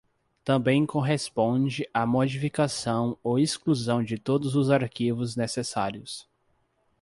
Também corresponde à modificação ou exclusão de todos os arquivos necessários.